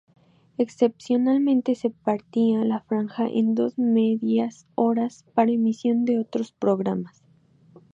Excepcionalmente se partía la franja en dos medias horas para emisión de otros programas.